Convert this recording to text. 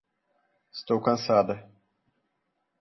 Estou cansada